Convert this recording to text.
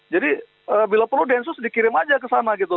jadi bila perlu densus dikirim aja ke sana gitu